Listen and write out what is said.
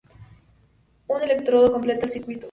Un electrodo completa el circuito.